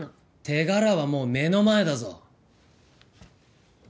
手柄はもう目の前だぞ。